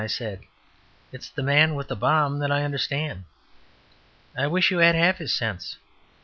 I said; "it's the man with the bomb that I understand! I wish you had half his sense.